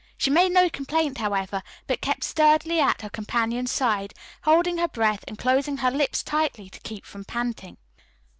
She made no complaint, however, but kept sturdily at her companion's side, holding her breath and closing her lips tightly to keep from panting.